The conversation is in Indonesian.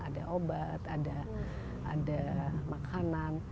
ada obat ada makanan